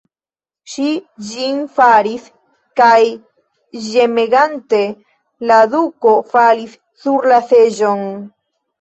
Ŝi ĝin faris, kaj ĝemegante la duko falis sur la seĝon.